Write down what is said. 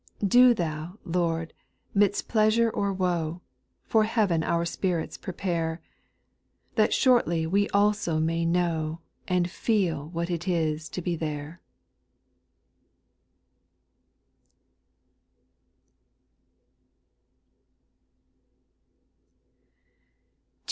Do Thou, Lord, midst pleasure or woe, For heaven our spirits prepare ; That shortly we also may Jcnow And feel what it is to be there 1 288.